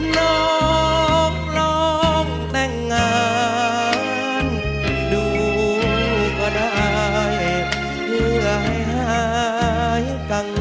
ลองลองแต่งงานดูก็ได้เพื่อให้หายกัง